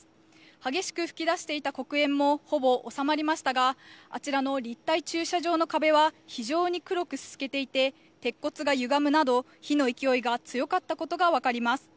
激しく噴き出していた黒煙も、ほぼ収まりましたが、あちらの立体駐車場の壁は、非常に黒くすすけていて、鉄骨がゆがむなど、火の勢いが強かったことが分かります。